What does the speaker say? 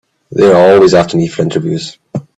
They're always after me for interviews.